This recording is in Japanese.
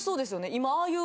今ああいう